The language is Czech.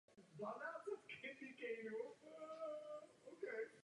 Může se také jednat o malou místnost nebo vyhrazený prostor.